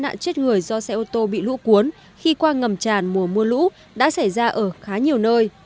nạn chết người do xe ô tô bị lũ cuốn khi qua ngầm tràn mùa mưa lũ đã xảy ra ở khá nhiều nơi